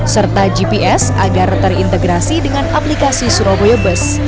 serta gps agar terintegrasi dengan aplikasi surabaya bus